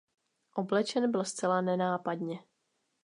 Oblečen byl zcela nenápadně.